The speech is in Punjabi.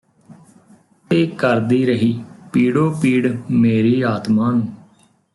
ਤੇ ਕਰਦੀ ਰਹੀ ਪੀੜੋ ਪੀੜ ਮੇਰੀ ਆਤਮਾਂ ਨੂੰ